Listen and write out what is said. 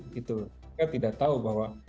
kita tidak tahu bahwa